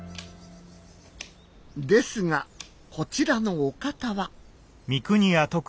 ですがこちらのお方は。